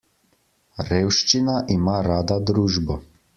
Revščina ima rada družbo.